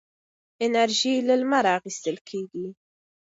انرژي له لمره اخېستل کېږي.